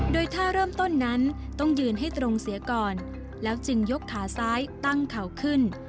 โดยถ้าเริ่มต้นนั้นต้องยืนให้ตรงเสียก่อนแล้วจึงยกขาซ้ายตั้งเข่าขึ้น